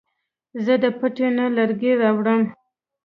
زه د پټي نه لرګي راوړم